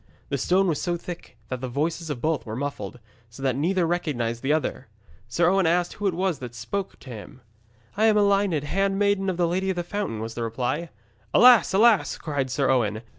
The stone was so thick that the voices of both were muffled, so that neither recognised the other. Sir Owen asked who it was who spoke to him. 'I am Elined, handmaiden to the Lady of the Fountain,' was the reply. 'Alas! alas!' cried Sir Owen.